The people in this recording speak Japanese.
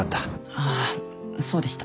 あそうでした。